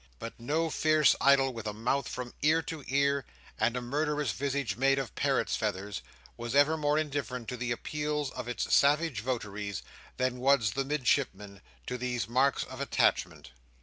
But no fierce idol with a mouth from ear to ear, and a murderous visage made of parrot's feathers, was ever more indifferent to the appeals of its savage votaries, than was the Midshipman to these marks of attachment.